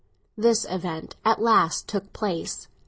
This event at last took place.